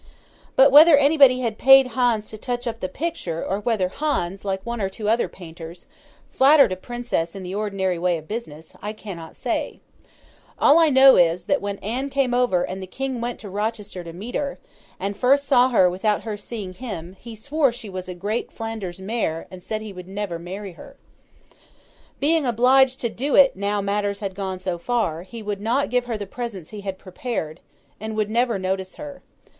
But, whether anybody had paid Hans to touch up the picture; or whether Hans, like one or two other painters, flattered a princess in the ordinary way of business, I cannot say: all I know is, that when Anne came over and the King went to Rochester to meet her, and first saw her without her seeing him, he swore she was 'a great Flanders mare,' and said he would never marry her. Being obliged to do it now matters had gone so far, he would not give her the presents he had prepared, and would never notice her.